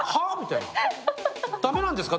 駄目なんですか？